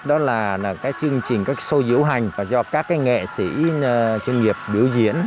đó là là các chương trình các show diễu hành và do các nghệ sĩ chuyên nghiệp biểu diễn